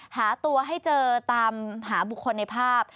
หาตัวให้เจอตามหาบุคคลในภาพ